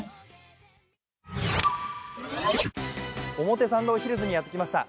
表参道ヒルズにやってきました。